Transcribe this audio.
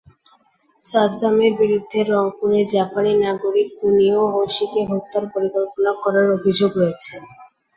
সাদ্দামের বিরুদ্ধে রংপুরে জাপানি নাগরিক কুনিও হোশিকে হত্যার পরিকল্পনা করার অভিযোগ রয়েছে।